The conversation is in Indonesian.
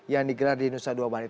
yang digelar di indonesia dua maret